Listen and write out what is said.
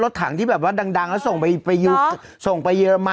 รถยนต์เราขึ้นฐานสริทธิ์ที่ดีมากเลยนะ